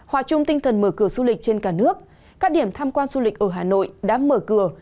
hòa chung tinh thần mở cửa du lịch trên cả nước các điểm tham quan du lịch ở hà nội đã mở cửa